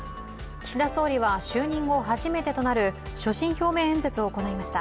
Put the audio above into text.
岸田総理は就任後初めてとなる所信表明演説を行いました。